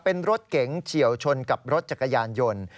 เป็นรถเก๋งเฉียวชนกับรถจักรยานยนต์